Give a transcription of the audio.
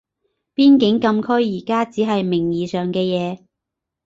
邊境禁區而家只係名義上嘅嘢